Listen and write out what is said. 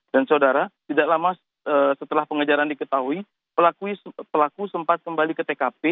dan saudara tidak lama setelah pengajaran diketahui pelaku sempat kembali ke tkp